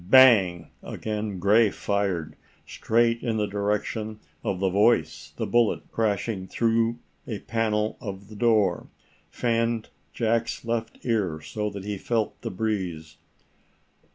Bang! Again Gray fired, straight in the direction of the voice the bullet, crashing through a panel of the door, fanned Jack's left ear so that he felt the breeze.